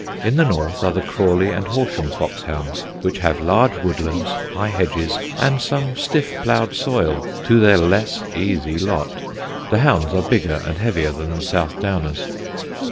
In the north are the Crawley and Horsham Fox Hounds, which have large woodlands, high hedges, and some stiff ploughed soil to their less easy lot. The hounds are bigger and heavier than the South Downers.